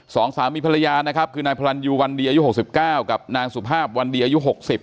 สองสามีภรรยานะครับคือนายพรรณยูวันดีอายุ๖๙กับนางสุภาพวันดีอายุ๖๐